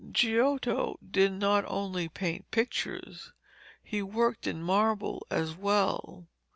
Giotto did not only paint pictures, he worked in marble as well.